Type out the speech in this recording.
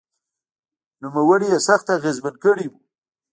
نوموړي یې سخت اغېزمن کړی و